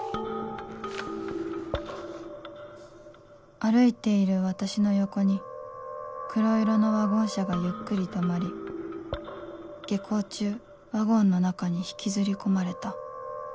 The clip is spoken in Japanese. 「歩いている私の横に黒色のワゴン車がゆっくり止まり下校中ワゴンの中に引きずり込まれた」